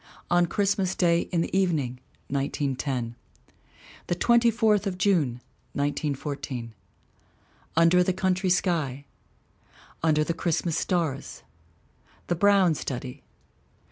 On Christmas Day in the Evening, 1910. The Twenty fourth of June, 1914. Under the Country Sky. Under the Christmas Stars. The Brown Study.